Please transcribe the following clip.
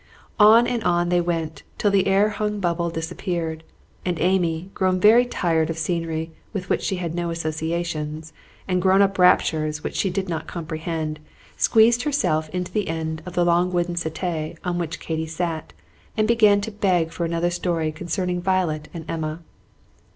On and on they went till the air hung bubble disappeared; and Amy, grown very tired of scenery with which she had no associations, and grown up raptures which she did not comprehend, squeezed herself into the end of the long wooden settee on which Katy sat, and began to beg for another story concerning Violet and Emma.